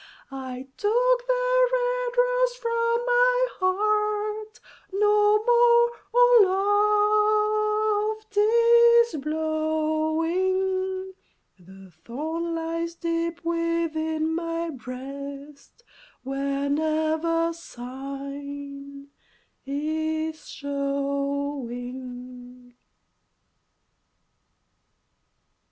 I took the red rose from my heart, No more, oh love, 'tis blowing, The thorn lies deep within my breast, Where never sign is showing.